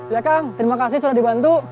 ya kang terima kasih sudah dibantu